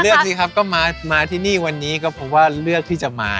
สิครับก็มาที่นี่วันนี้ก็เพราะว่าเลือกที่จะมา